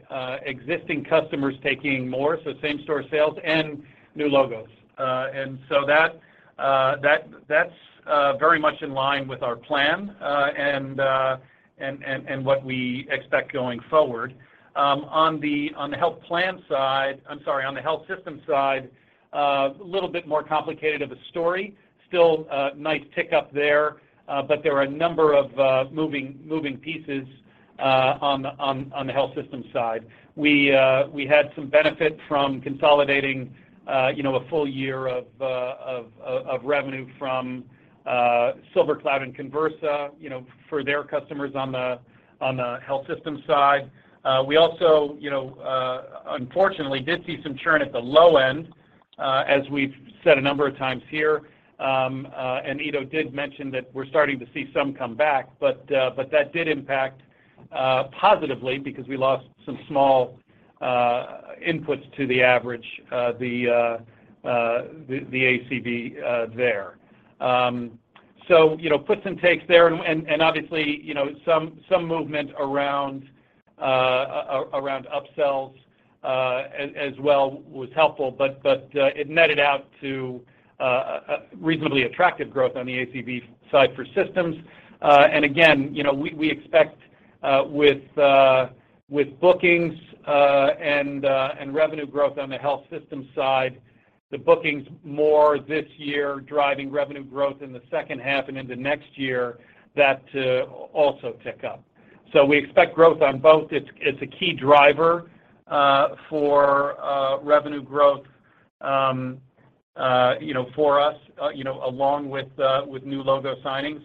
Speaker 4: existing customers taking more, so same store sales and new logos. That's very much in line with our plan and what we expect going forward. On the health plan side, I'm sorry, on the health system side, a little bit more complicated of a story. Still, nice tick up there, but there are a number of moving pieces on the health system side. We had some benefit from consolidating, you know, a full year of revenue from SilverCloud and Conversa, you know, for their customers on the health system side. We also, you know, unfortunately did see some churn at the low end. As we've said a number of times here, and Ido did mention that we're starting to see some come back, but that did impact positively because we lost some small inputs to the average the ACV there. So, you know, puts and takes there and obviously, you know, some movement around upsells as well was helpful. But, it netted out to reasonably attractive growth on the ACV side for systems. And again, you know, we expect with bookings and revenue growth on the health system side, the bookings more this year driving revenue growth in the second half and into next year that also tick up. We expect growth on both. It's a key driver for revenue growth, you know, for us, you know, along with new logo signings.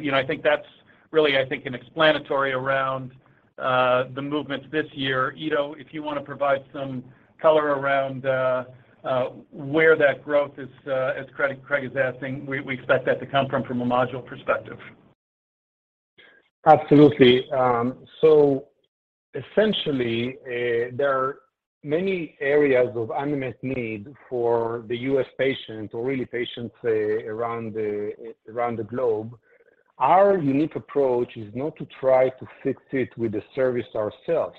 Speaker 4: You know, I think that's really, I think, an explanatory around the movements this year. Ido, if you wanna provide some color around where that growth is, as Craig is asking, we expect that to come from a module perspective.
Speaker 3: Absolutely. Essentially, there are many areas of unmet need for the U.S. patient or really patients around the globe. Our unique approach is not to try to fix it with the service ourselves,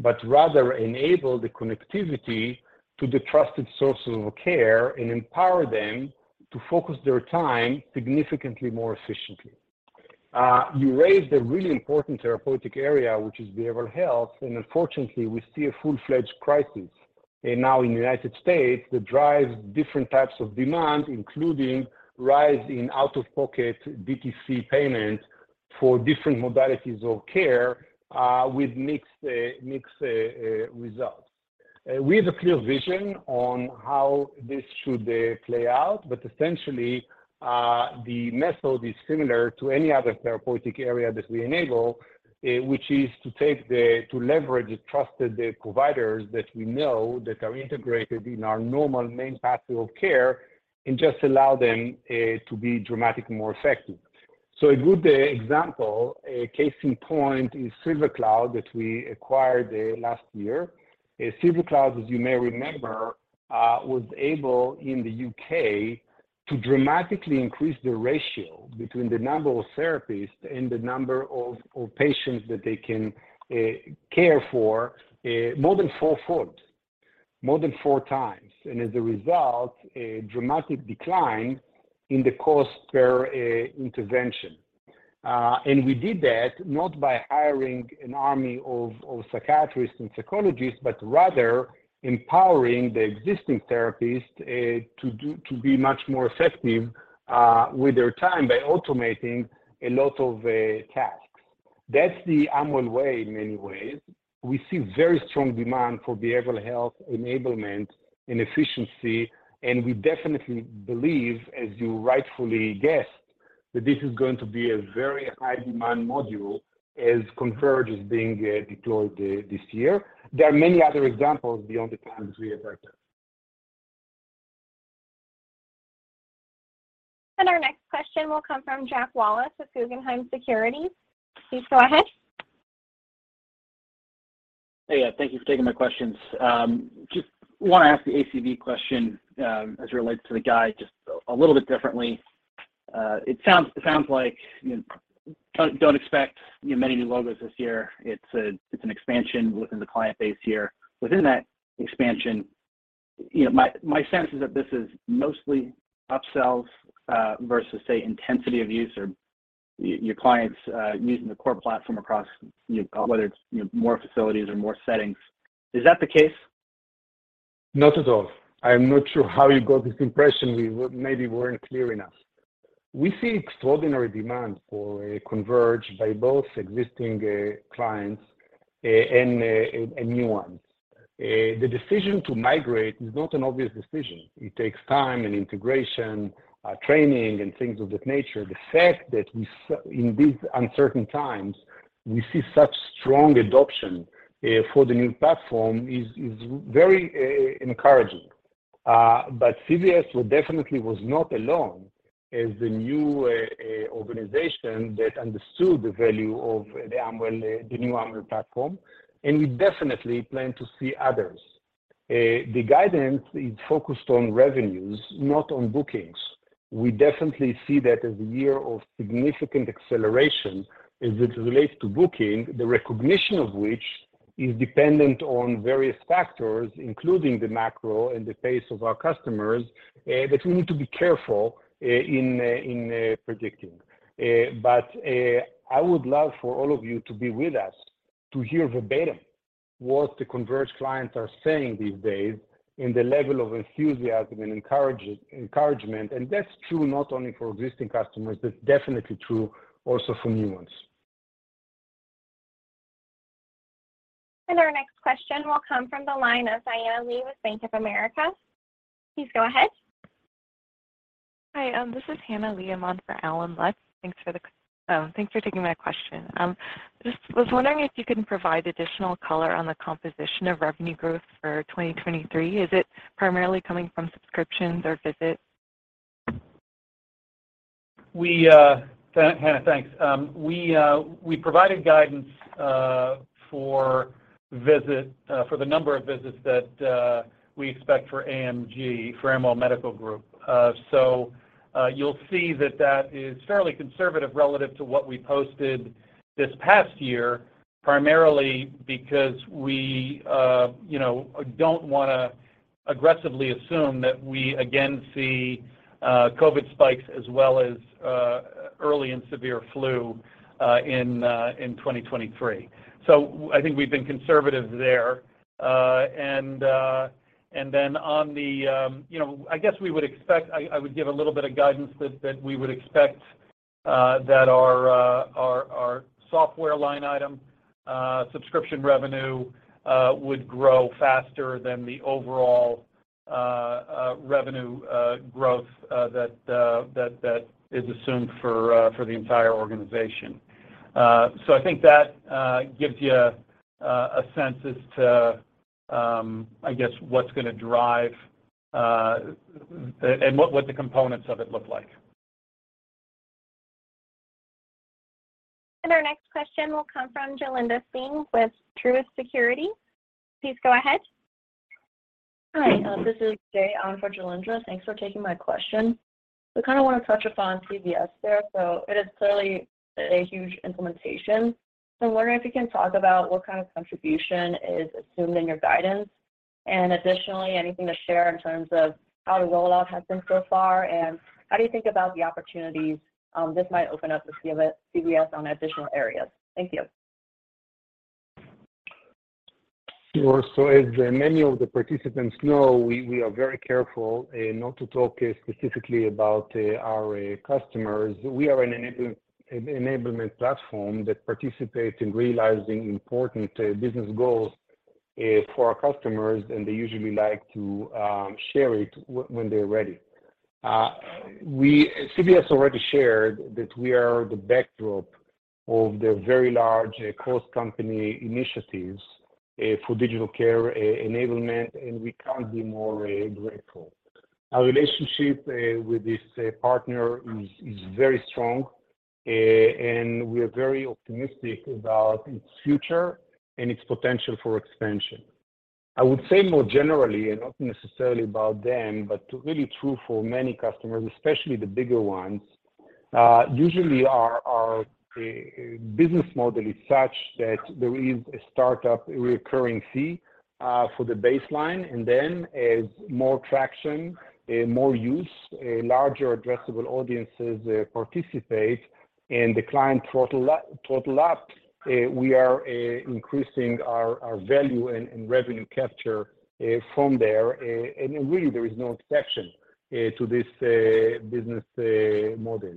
Speaker 3: but rather enable the connectivity to the trusted sources of care and empower them to focus their time significantly more efficiently. You raised a really important therapeutic area, which is behavioral health. Unfortunately, we see a full-fledged crisis now in the United States that drives different types of demand, including rise in out-of-pocket DTC payments for different modalities of care, with mixed results. We have a clear vision on how this should play out, but essentially, the method is similar to any other therapeutic area that we enable, which is to leverage the trusted providers that we know that are integrated in our normal main pathway of care and just allow them to be dramatically more effective. A good example, a case in point is SilverCloud, that we acquired last year. SilverCloud, as you may remember, was able in the U.K. to dramatically increase the ratio between the number of therapists and the number of patients that they can care for more than fourfold, more than four times. As a result, a dramatic decline in the cost per intervention. We did that not by hiring an army of psychiatrists and psychologists, but rather empowering the existing therapists to be much more effective with their time by automating a lot of tasks. That's the Amwell way in many ways. We see very strong demand for behavioral health enablement and efficiency. We definitely believe, as you rightfully guessed, that this is going to be a very high-demand module as Converge is being deployed this year. There are many other examples beyond the time that we have right now.
Speaker 1: Our next question will come from Jack Wallace with Guggenheim Securities. Please go ahead.
Speaker 8: Hey, thank you for taking my questions. Just wanna ask the ACV question, as it relates to the guide just a little bit differently. It sounds like you don't expect, you know, many new logos this year. It's an expansion within the client base here. Within that expansion, you know, my sense is that this is mostly upsells, versus, say, intensity of use or your clients, using the core platform across, you know, whether it's, you know, more facilities or more settings. Is that the case?
Speaker 3: Not at all. I'm not sure how you got this impression. We maybe weren't clear enough. We see extraordinary demand for Converge by both existing clients and new ones. The decision to migrate is not an obvious decision. It takes time and integration, training, and things of that nature. The fact that we in these uncertain times, we see such strong adoption for the new platform is very encouraging. CVS definitely was not alone as the new organization that understood the value of the Amwell, the new Amwell platform, and we definitely plan to see others. The guidance is focused on revenues, not on bookings. We definitely see that as a year of significant acceleration as it relates to booking, the recognition of which is dependent on various factors, including the macro and the pace of our customers, that we need to be careful in in predicting. I would love for all of you to be with us to hear verbatim what the Converge clients are saying these days and the level of enthusiasm and encouragement. That's true not only for existing customers, that's definitely true also for new ones.
Speaker 1: Our next question will come from the line of Hanna Lee with Bank of America. Please go ahead.
Speaker 9: Hi, this is Hanna Lee on for Allen Lutz. Thanks for taking my question. Just was wondering if you can provide additional color on the composition of revenue growth for 2023. Is it primarily coming from subscriptions or visits?
Speaker 4: We, Hanna, thanks. We provided guidance for visit for the number of visits that we expect for AMG, for Amwell Medical Group. You'll see that that is fairly conservative relative to what we posted this past year, primarily because we, you know, don't wanna aggressively assume that we again see COVID spikes as well as early and severe flu in 2023. I think we've been conservative there. On the, you know, I guess we would expect, I would give a little bit of guidance that we would expect that our software line item, subscription revenue, would grow faster than the overall revenue growth that is assumed for the entire organization. I think that gives you a sense as to, I guess, what's going to drive and what the components of it look like.
Speaker 1: Our next question will come from Jailendra Singh with Truist Securities. Please go ahead.
Speaker 10: Hi, this is Jay on for Jailendra. Thanks for taking my question. I kinda wanna touch upon CVS there. It is clearly a huge implementation, so I'm wondering if you can talk about what kind of contribution is assumed in your guidance. Additionally, anything to share in terms of how the rollout has been so far, and how do you think about the opportunities this might open up with CVS on additional areas. Thank you.
Speaker 3: Sure. As many of the participants know, we are very careful not to talk specifically about our customers. We are an enablement platform that participates in realizing important business goals for our customers, and they usually like to share it when they're ready. CVS already shared that we are the backdrop of their very large cross-company initiatives for digital care enablement, and we can't be more grateful. Our relationship with this partner is very strong, and we're very optimistic about its future and its potential for expansion. I would say more generally, and not necessarily about them, but really true for many customers, especially the bigger ones, usually our business model is such that there is a startup recurring fee for the baseline, and then as more traction, more use, larger addressable audiences participate, and the client total ups, we are increasing our value and revenue capture from there. Really there is no exception to this business model.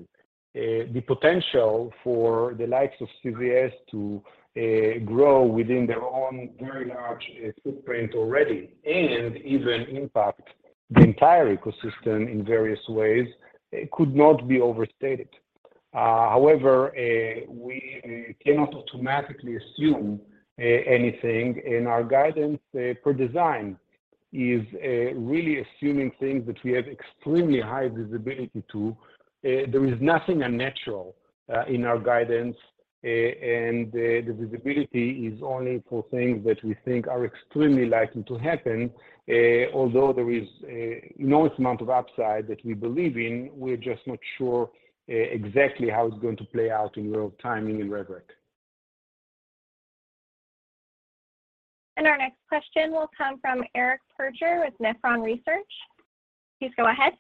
Speaker 3: The potential for the likes of CVS to grow within their own very large footprint already and even impact the entire ecosystem in various ways could not be overstated. However, we cannot automatically assume anything in our guidance. Per design is really assuming things that we have extremely high visibility to. There is nothing unnatural in our guidance, and the visibility is only for things that we think are extremely likely to happen. Although there is a enormous amount of upside that we believe in, we're just not sure exactly how it's going to play out in real timing and rhetoric.
Speaker 1: Our next question will come from Eric Percher with Nephron Research. Please go ahead.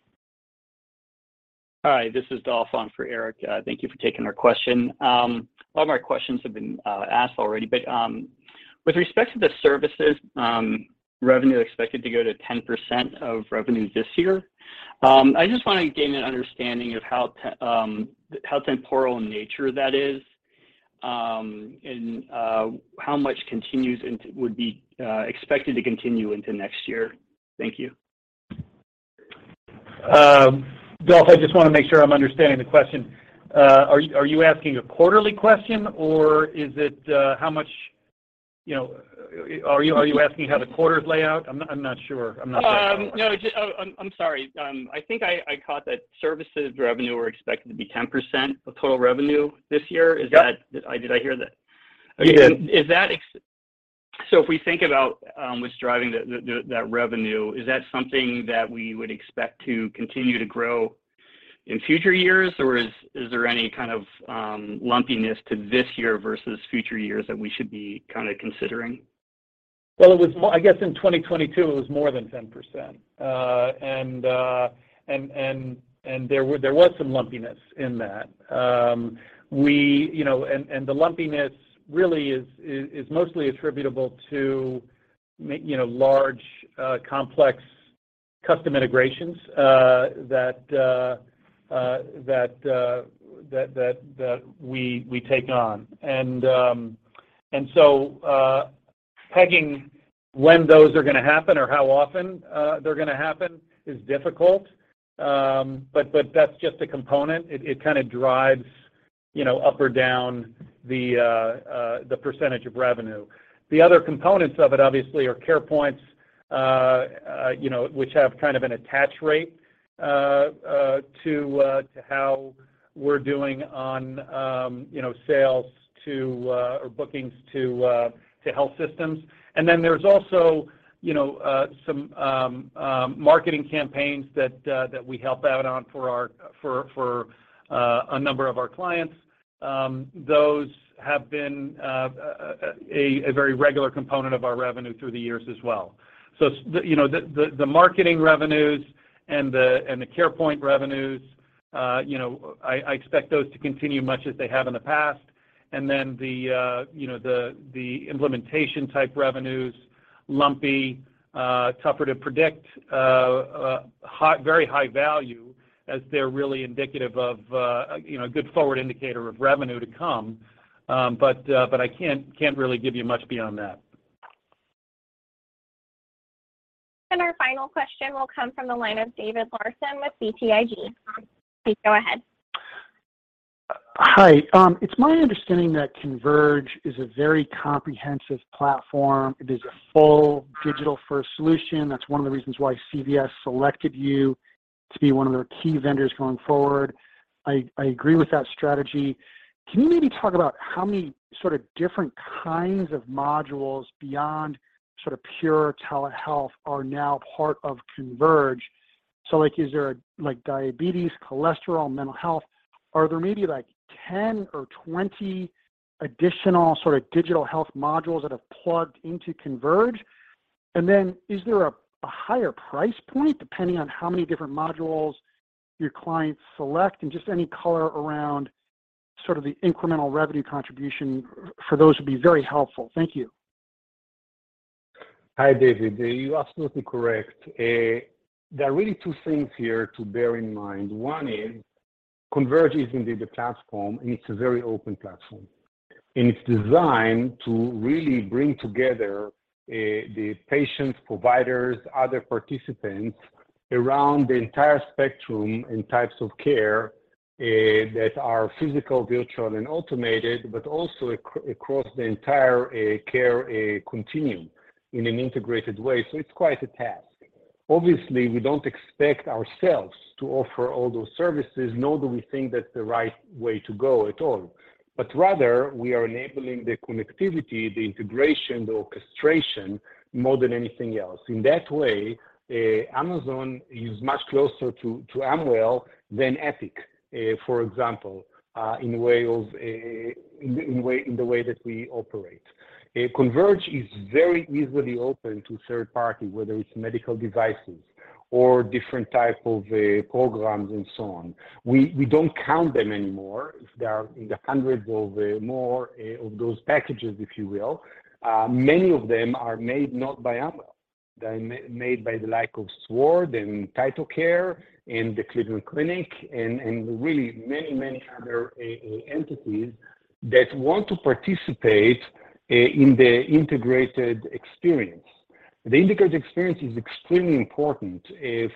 Speaker 11: Hi, this is Dolph on for Eric. Thank you for taking our question. A lot of our questions have been asked already, but with respect to the services, revenue expected to go to 10% of revenue this year, I just wanna gain an understanding of how temporal in nature that is, and how much would be expected to continue into next year. Thank you.
Speaker 3: Dolph, I just wanna make sure I'm understanding the question. Are you asking a quarterly question or is it, how much, you know, are you asking how the quarters lay out? I'm not sure. I'm not sure at all.
Speaker 11: I'm sorry. I think I caught that services revenue are expected to be 10% of total revenue this year.
Speaker 3: Yep.
Speaker 11: Did I hear that?
Speaker 3: You did.
Speaker 11: Is that if we think about what's driving that revenue, is that something that we would expect to continue to grow in future years, or is there any kind of lumpiness to this year versus future years that we should be kind of considering?
Speaker 3: Well, it was more I guess in 2022 it was more than 10%. There was some lumpiness in that. We, you know, and the lumpiness really is mostly attributable to you know, large, complex custom integrations that we take on. And so, pegging when those are gonna happen or how often they're gonna happen is difficult. That's just a component. It kinda drives, you know, up or down the percentage of revenue. The other components of it obviously are Carepoints, you know, which have kind of an attach rate to how we're doing on, you know, sales to or bookings to health systems. There's also, you know, some marketing campaigns that we help out on for a number of our clients. Those have been a very regular component of our revenue through the years as well. You know, the marketing revenues and the Carepoint revenues, you know, I expect those to continue much as they have in the past. The, you know, the implementation-type revenues, lumpy, tougher to predict, very high value as they're really indicative of, you know, a good forward indicator of revenue to come. I can't really give you much beyond that.
Speaker 1: Our final question will come from the line of David Larsen with BTIG. Please go ahead.
Speaker 12: Hi. It's my understanding that Converge is a very comprehensive platform. It is a full digital-first solution. That's one of the reasons why CVS selected you to be one of their key vendors going forward. I agree with that strategy. Can you maybe talk about how many sort of different kinds of modules beyond sort of pure telehealth are now part of Converge? Is there like diabetes, cholesterol, mental health? Are there maybe like 10 or 20 additional sort of digital health modules that have plugged into Converge? Is there a higher price point depending on how many different modules your clients select? Just any color around sort of the incremental revenue contribution for those would be very helpful. Thank you.
Speaker 3: Hi, David. You're absolutely correct. There are really two things here to bear in mind. One is Converge is indeed a platform, and it's a very open platform, and it's designed to really bring together the patients, providers, other participants around the entire spectrum and types of care that are physical, virtual, and automated, but also across the entire care continuum in an integrated way. It's quite a task. Obviously, we don't expect ourselves to offer all those services, nor do we think that's the right way to go at all. Rather, we are enabling the connectivity, the integration, the orchestration more than anything else. In that way, Amazon is much closer to Amwell than Epic, for example, in the way of in the way, in the way that we operate. Converge is very easily open to third party, whether it's medical devices or different type of programs and so on. We don't count them anymore. There are in the hundreds of more of those packages, if you will. Many of them are made not by Amwell. They're made by the like of Sword and TytoCare and the Cleveland Clinic and really many other entities that want to participate in the integrated experience. The integrated experience is extremely important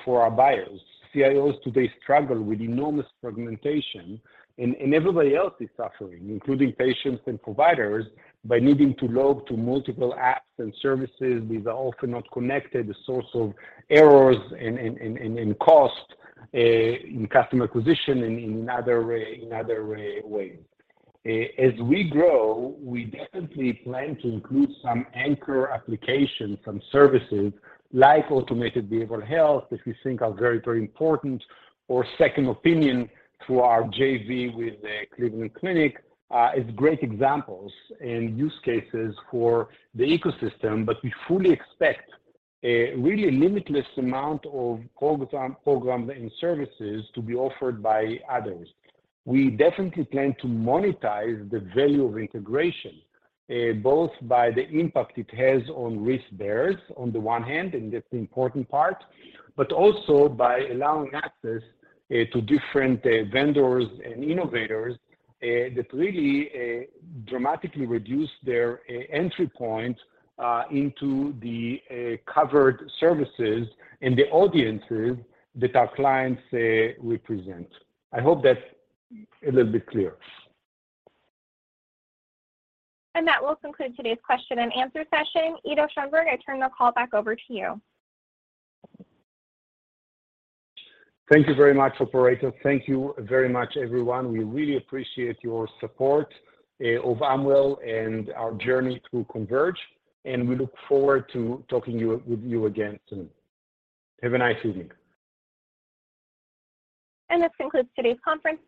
Speaker 3: for our buyers. CIOs today struggle with enormous fragmentation and everybody else is suffering, including patients and providers, by needing to log to multiple apps and services. These are often not connected, a source of errors and cost in customer acquisition and in other ways. As we grow, we definitely plan to include some anchor applications from services like automated behavioral health, which we think are very, very important, or second opinion through our JV with the Cleveland Clinic, is great examples and use cases for the ecosystem. We fully expect a really limitless amount of programs and services to be offered by others. We definitely plan to monetize the value of integration, both by the impact it has on risk bearers on the one hand, and that's the important part, but also by allowing access to different vendors and innovators that really dramatically reduce their entry point into the covered services and the audiences that our clients represent. I hope that a little bit clear.
Speaker 1: That will conclude today's question and answer session. Ido Schoenberg, I turn the call back over to you.
Speaker 3: Thank you very much, operator. Thank you very much, everyone. We really appreciate your support of Amwell and our journey through Converge, and we look forward to talking with you again soon. Have a nice evening.
Speaker 1: This concludes today's conference.